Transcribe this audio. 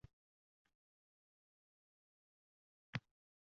Baxtdan yarqiragan peshonangni tut